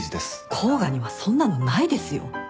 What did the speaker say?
甲賀にはそんなのないですよ。